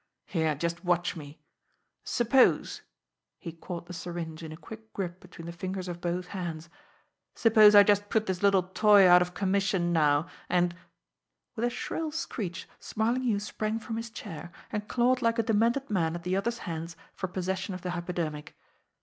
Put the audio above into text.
Here, just watch me! Suppose" he caught the syringe in a quick grip between the fingers of both hands "suppose I just put this little toy out of commission now, and " With a shrill screech, Smarlinghue sprang from his chair, and clawed like a demented man at the other's hands for possession of the hypodermic.